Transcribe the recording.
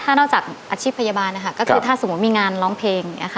ถ้านอกจากอาชีพพยาบาลนะครับก็คือถ้าสมมุติมีงานร้องเพลง